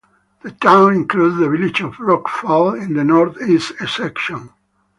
The town includes the village of Rockfall in the northeast section.